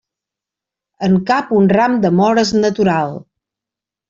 En cap un ram de mores natural.